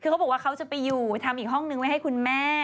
คือเขาบอกว่าเขาจะไปอยู่ทำอีกห้องนึงไว้ให้คุณแม่